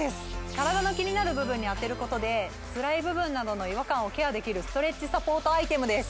体の気になる部分に当てることでつらい部分などの違和感をケアできるストレッチサポートアイテムです